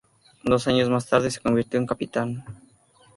Dos años más tarde se convirtió en Capitán.